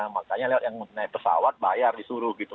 makanya yang naik pesawat bayar disuruh gitu